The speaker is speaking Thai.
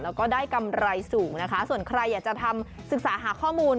แล้วก็ได้กำไรสูงนะคะส่วนใครอยากจะทำศึกษาหาข้อมูล